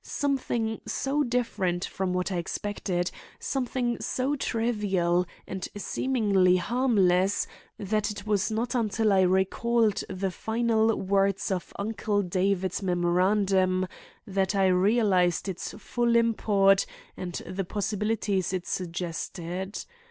Something so different from what I expected, something so trivial and seemingly harmless, that it was not until I recalled the final words of Uncle David's memorandum that I realized its full import and the possibilities it suggested.